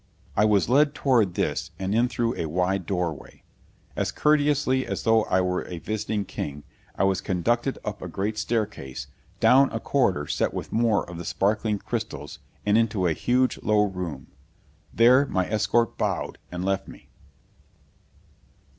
I was led toward this and in through a wide doorway. As courteously as though I were a visiting king, I was conducted up a great staircase, down a corridor set with more of the sparkling crystals and into a huge, low room. There my escort bowed and left me.